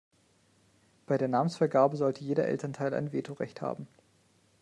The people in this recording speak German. Bei der Namensvergabe sollte jeder Elternteil ein Veto-Recht haben.